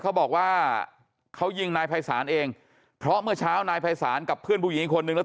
เขาบอกว่าเขายิงนายภัยศาลเองเพราะเมื่อเช้านายภัยศาลกับเพื่อนผู้หญิงอีกคนนึงแล้ว